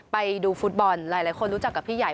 ไปดูฟุตบอลหลายคนรู้จักกับพี่ใหญ่